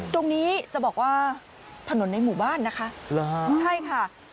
ตรงนี้จะบอกว่าถนนในหมู่บ้านนะคะใช่ค่ะ